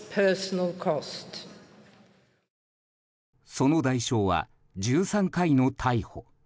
その代償は１３回の逮捕。